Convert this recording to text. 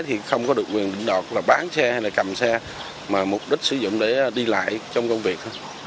thuê xe thì không có được quyền đọc là bán xe hay là cầm xe mà mục đích sử dụng để đi lại trong công việc